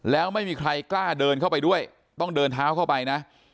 แล้วไม่มีใครกล้าเดินเข้าไปด้วยต้องเดินเท้าเข้าไปนะ